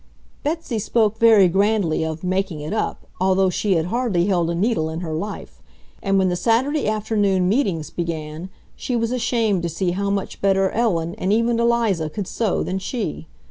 Betsy spoke very grandly of "making it up," although she had hardly held a needle in her life, and when the Saturday afternoon meetings began she was ashamed to see how much better Ellen and even Eliza could sew than she.